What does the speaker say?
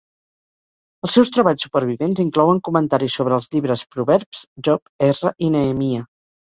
Els seus treballs supervivents inclouen comentaris sobre els llibres Proverbs, Job, Ezra i Nehemiah.